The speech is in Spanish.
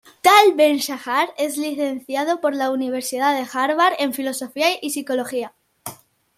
Tal Ben-Shahar es licenciado por la Universidad de Harvard en Filosofía y Psicología.